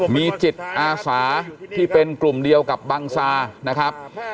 มีจิตอาสาที่เป็นกลุ่มเดียวกับบังซานะครับ